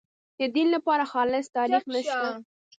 د دین لپاره خالص تاریخ نشته.